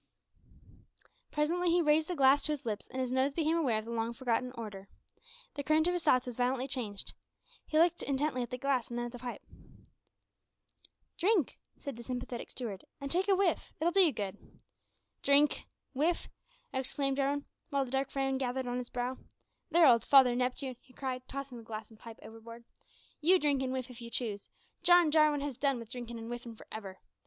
Presently he raised the glass to his lips, and his nose became aware of the long forgotten odour! The current of his thoughts was violently changed. He looked intently at the glass and then at the pipe. "Drink," said the sympathetic steward, "and take a whiff. It'll do you good." "Drink! whiff!" exclaimed Jarwin, while a dark frown gathered on his brow. "There, old Father Neptune," he cried, tossing the glass and pipe overboard, "you drink and whiff, if you choose; John Jarwin has done wi' drinkin' an' whiffin' for ever!